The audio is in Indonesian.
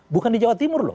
bukan di jawa timur loh